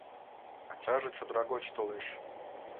Ачаже чодыра гыч толеш